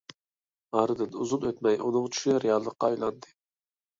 ئارىدىن ئۇزۇن ئۆتمەي، ئۇنىڭ چۈشى رىياللىققا ئايلاندى.